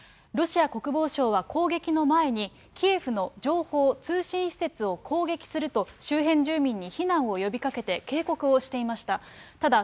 ロシア国防省は攻撃の前に、キエフの情報・通信施設を攻撃すると周辺住民に避難を呼びかけて、警告をしていました。